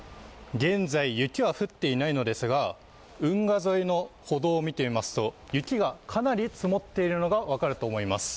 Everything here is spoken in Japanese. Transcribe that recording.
現在、雪は降っていないのですが、運河沿いの歩道を見てみますと雪がかなり積もっているのが分かると思います。